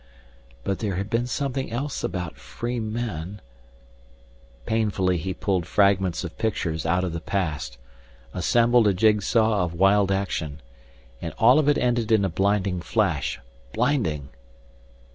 But there had been something else about free men Painfully he pulled fragments of pictures out of the past, assembled a jigsaw of wild action. And all of it ended in a blinding flash, blinding!